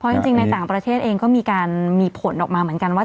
จริงในต่างประเทศเองก็มีการมีผลออกมาเหมือนกันว่า